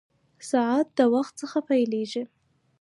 ساعت د وخت څخه پېلېږي.